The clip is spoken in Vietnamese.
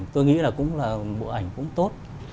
tôi nghĩ là bộ ảnh cũng tốt